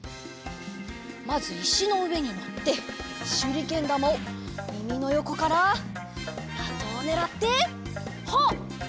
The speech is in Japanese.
まずいしのうえにのってしゅりけんだまをみみのよこからまとをねらってはっ！